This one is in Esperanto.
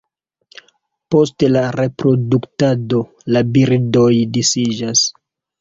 Post la reproduktado la birdoj disiĝas.